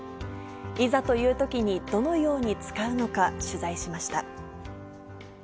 いざというときにどのように使うのか、取材しました。